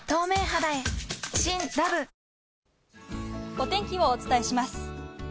お天気をお伝えします。